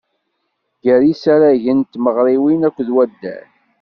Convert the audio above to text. Gar yisaragen d tmeɣriwin akked waddal.